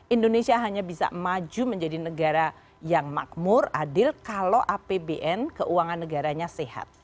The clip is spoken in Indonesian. indonesia hanya bisa maju menjadi negara yang makmur adil kalau apbn keuangan negaranya sehat